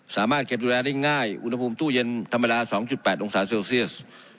สามารถเก็บดูแลได้ง่ายอุณหภูมิตู้เย็นธรรมดา๒๘องศาเซลเซียส